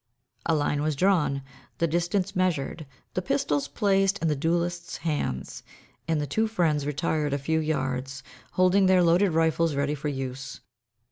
A line was drawn, the distance measured, the pistols placed in the duellists' hands, and the two friends retired a few yards, holding their loaded rifles ready for use.